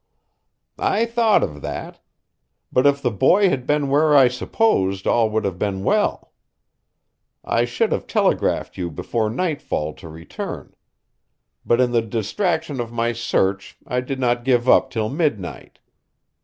"I thought of that. But if the boy had been where I supposed all would have been well. I should have telegraphed you before nightfall to return. But in the distraction of my search I did not give up till midnight.